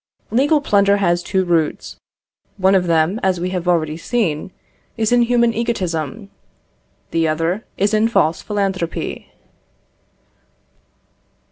Legal plunder has two roots: one of them, as we have already seen, is in human egotism; the other is in false philanthropy.